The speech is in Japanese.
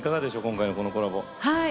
今回のこのコラボ。